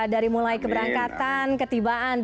dari mulai keberangkatan ketibaan